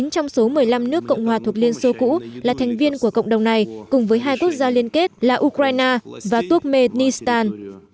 chín trong số một mươi năm nước cộng hòa thuộc liên xô cũ là thành viên của cộng đồng này cùng với hai quốc gia liên kết là ukraine và tukhestan